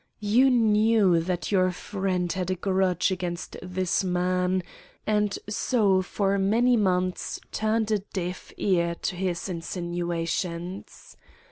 You knew that your friend had a grudge against this man, and so for many months turned a deaf ear to his insinuations.